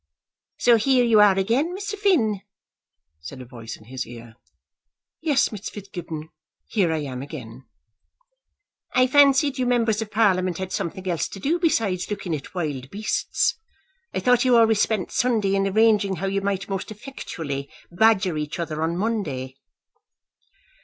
"So, here you are again, Mr. Finn," said a voice in his ear. "Yes, Miss Fitzgibbon; here I am again." "I fancied you members of Parliament had something else to do besides looking at wild beasts. I thought you always spent Sunday in arranging how you might most effectually badger each other on Monday."